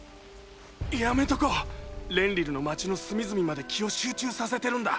やめとこうレンリルの街の隅々まで気を集中させてるんだ。